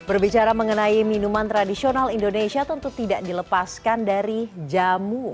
berbicara mengenai minuman tradisional indonesia tentu tidak dilepaskan dari jamu